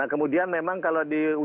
nah kemudian memang kalau di ujung ujung